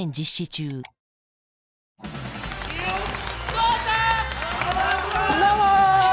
どうも！